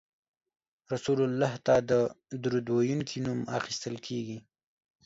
رسول الله ته د درود ویونکي نوم اخیستل کیږي